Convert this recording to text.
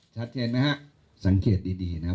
ชัดเจนไหมฮะสังเกตดีนะฮะ